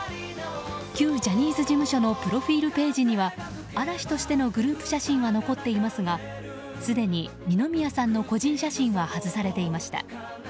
旧ジャニーズ事務所のプロフィールページには嵐としてのグループ写真は残っていますがすでに二宮さんの個人写真は外されていました。